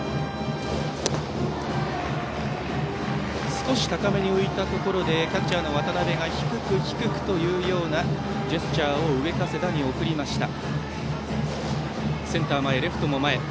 少し高めに浮いたところでキャッチャーの渡辺が低く、低くというようなジェスチャーを上加世田に送りました。